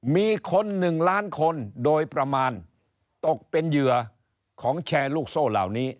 มีคนหนึ่งล้านคนโดยประมาณตกเป็นเหยื่อของแชร์ลูกโซ่เหล่านี้